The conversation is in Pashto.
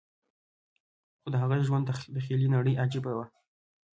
خو د هغه د ژوند تخيلي نړۍ عجيبه وه.